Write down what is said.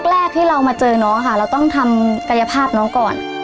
แรกที่เรามาเจอน้องค่ะเราต้องทำกายภาพน้องก่อน